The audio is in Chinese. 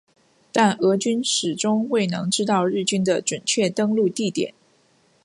但俄军始终未能知道日军的准确登陆地点。